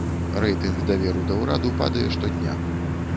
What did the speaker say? Рэйтынг даверу да ўраду падае штодня.